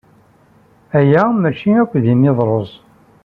Aya mačči akk d imidrus.